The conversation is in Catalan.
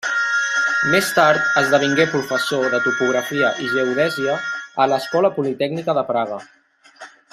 Més tard esdevingué professor de topografia i geodèsia a l'escola politècnica de Praga.